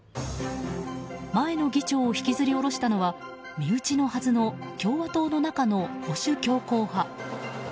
前の議長を引きずり降ろしたのは身内のはずの共和党の中の保守強硬派。